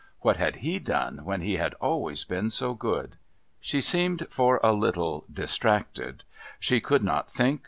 What had he done when he had always been so good? She seemed for a little distracted. She could not think.